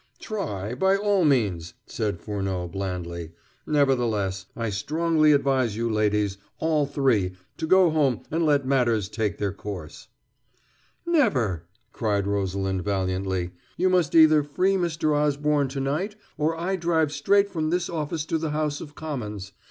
"Try, by all means," said Furneaux blandly. "Nevertheless, I strongly advise you ladies, all three, to go home and let matters take their course." "Never!" cried Rosalind valiantly. "You must either free Mr. Osborne to night or I drive straight from this office to the House of Commons.